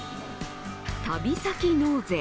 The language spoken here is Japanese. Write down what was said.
旅先納税。